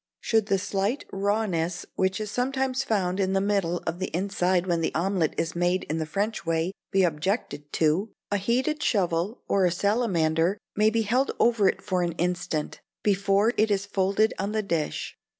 Should the slight rawness, which is sometimes found in the middle of the inside when the omelette is made in the French way, be objected to, a heated shovel, or a salamander, may be held over it for an instant, before it is folded on the dish.